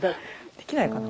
できないかな？